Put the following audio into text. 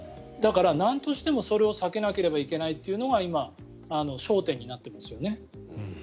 だから、なんとしても、それを避けなければいけないというのが今、焦点になってますよね。